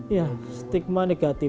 ya stigma negatif